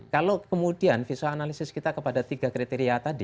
kalau kemudian visual analisis kita kepada tiga kriteria tadi